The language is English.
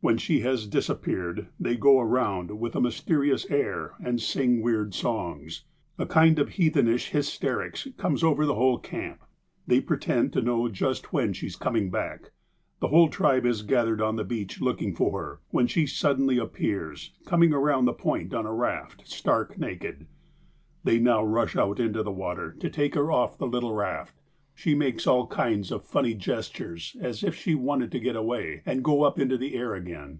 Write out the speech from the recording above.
When she has disappeared, they go around with a mys terious air, and sing weird songs. A kind of heathenish hysterics comes over the whole camp. They pretend to know just when she is coming back. The whole tribe is gathered on the beach looking for her, when she suddenly appears, coming around the point on a raft, stark naked. They now rush out into the water, to take her off the 130 THE DEVIL ABROAD 131 little raft. She makes all kinds of funny gestures, as if she wanted to get away, and go up into the air again.